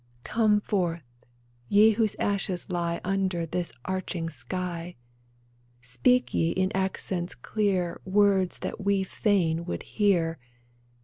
— Come Forth, ye whose ashes lie Under this arching sky ! Speak ye in accents clear Words that we fain would hear